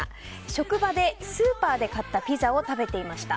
職場でスーパーで買ったピザを食べていました。